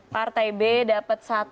partai b dapat satu